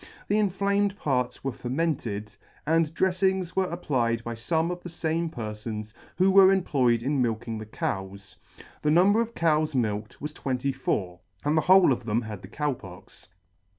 The inflamed parts were fomented, and d reflings were applied by fome of the fame perfons who were employed in milking the cows. The number of cows milked was twenty four, and the whole of them had the Cow Pox.